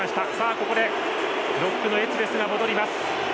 ここでロックのエツベスが戻ります。